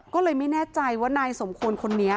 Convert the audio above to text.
ก็เลยไม่แน่ใจว่านายสมควรคนนี้